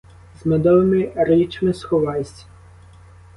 З медовими річми сховайсь.